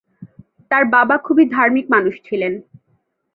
তার বাবা খুবই ধার্মিক মানুষ ছিলেন।